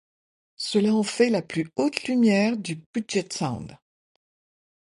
Cela en fait la plus haute lumière du Puget Sound.